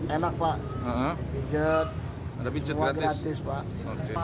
enak pak pijat semua gratis pak